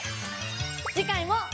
次回も！